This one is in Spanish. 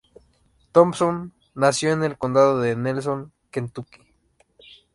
Thompson nació en el Condado de Nelson, Kentucky.